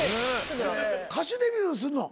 歌手デビューすんの？